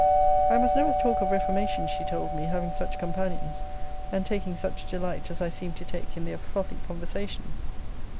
I must never talk of reformation, she told me, having such companions, and taking such delight, as I seemed to take, in their frothy conversation.